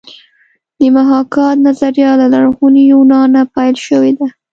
د محاکات نظریه له لرغوني یونانه پیل شوې ده